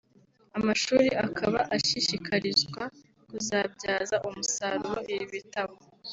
Amashuri akaba ashishikarizwa kuzabyaza umusaruro ibi bitabo